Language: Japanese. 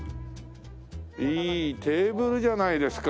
いいテーブルじゃないですか！